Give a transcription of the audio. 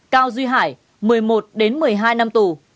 cao duy hải một mươi một đến một mươi hai năm tù